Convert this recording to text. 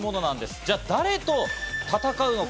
じゃあ誰と戦うのか？